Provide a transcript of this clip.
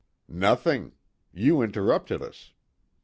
"Nothing. You interrupted us.